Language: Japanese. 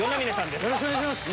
よろしくお願いします。